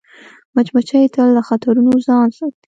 مچمچۍ تل له خطرونو ځان ساتي